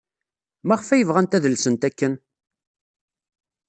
Maɣef ay bɣant ad lsent akken?